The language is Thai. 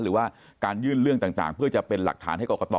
หรือว่าการยื่นเรื่องต่างเพื่อจะเป็นหลักฐานให้กรกต